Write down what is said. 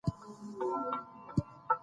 فرهنګ د ادب له لاري نسلونو ته لېږدېږي.